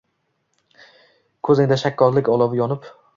Ko’zingda shakkoklik olovi yonib